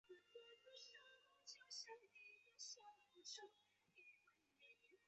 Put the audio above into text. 圈内笑话中的成员才能领会到笑点的笑话。